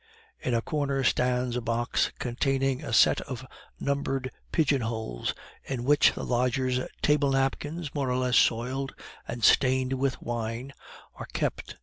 In a corner stands a box containing a set of numbered pigeon holes, in which the lodgers' table napkins, more or less soiled and stained with wine, are kept.